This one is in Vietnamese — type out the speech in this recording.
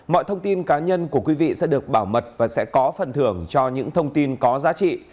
mọi thông tin cá nhân của quý vị sẽ được bảo mật và sẽ có phần thưởng cho những thông tin có giá trị